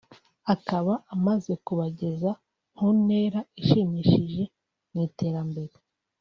akaba amaze kubageza nkuntera ishimishije mu iterambere